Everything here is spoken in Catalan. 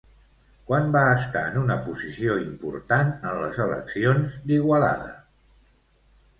Quan va estar en una posició important en les eleccions d'Igualada?